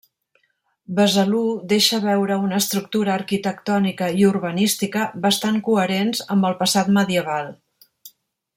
Besalú deixa veure una estructura arquitectònica i urbanística bastant coherents amb el passat medieval.